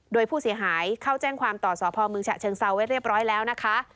โดยผู้เสียหายเข้าแจ้งความต่อสพเมืองฉะเชิงเซาไว้เรียบร้อยแล้วนะคะ